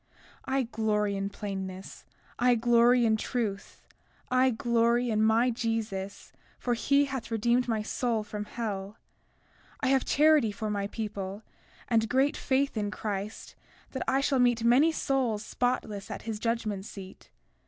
33:6 I glory in plainness; I glory in truth; I glory in my Jesus, for he hath redeemed my soul from hell. 33:7 I have charity for my people, and great faith in Christ that I shall meet many souls spotless at his judgment seat.